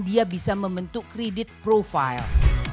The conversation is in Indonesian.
dia bisa membentuk kredit profile